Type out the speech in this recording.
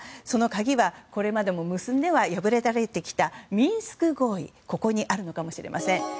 その鍵は、これまでも結んでは破られてきたミンスク合意にあるのかもしれません。